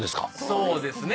そうですね。